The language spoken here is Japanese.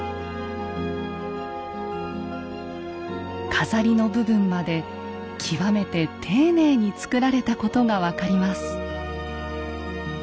飾りの部分まで極めて丁寧に作られたことが分かります。